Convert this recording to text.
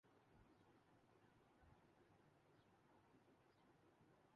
کارکن اپنے راہنما کو دیکھ کر زور زور سے ہاتھ ہلا رہے تھے۔